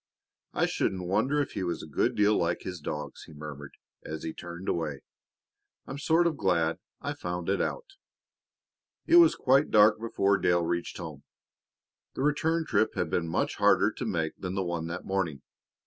"I shouldn't wonder if he was a good deal like his dogs," he murmured as he turned away. "I'm sort of glad I found it out." It was quite dark before Dale reached home. The return trip had been much harder to make than the one that morning.